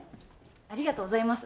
ありがとうございます。